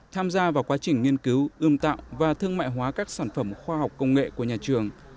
tham gia vào quá trình nghiên cứu ươm tạo và thương mại hóa các sản phẩm khoa học công nghệ của nhà trường